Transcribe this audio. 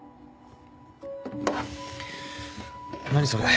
「何それ？